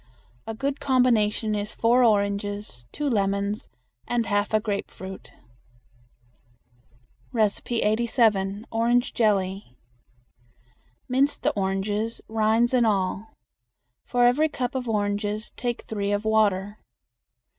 A good combination is four oranges, two lemons, and half a grapefruit. 87. Orange Jelly. Mince the oranges, rind and all. For every cup of oranges take three of water.